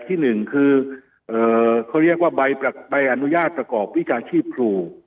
ที่หนึ่งคือเขาเรียกว่าใบอนุญาตประกอบวิชาชีพครู